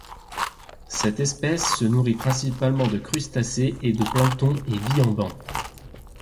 Cette espèce se nourrit principalement de crustacés et de plancton et vit en banc.